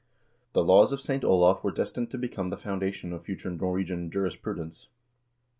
The "Laws of St. Olav" were destined to become the foundation of future Norwegian jurisprudence.